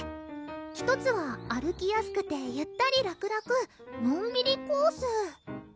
１つは歩きやすくてゆったりらくらくのんびりコース